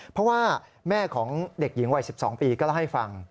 เพราะว่าแม่ของเด็กหญิงวัย๑๒ปีก็เล่าให้ฟัง